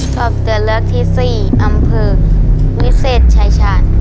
ตอบตัวเลือกที่๔อำเภอวิเศษชายชาญ